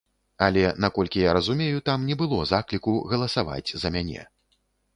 Але, наколькі я разумею, там не было закліку галасаваць за мяне.